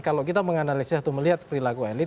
kalau kita menganalisis atau melihat perilaku elit